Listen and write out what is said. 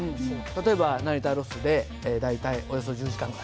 例えば成田ロスで大体およそ１０時間ぐらい。